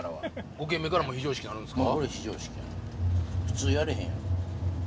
５軒目から非常識になるんすか。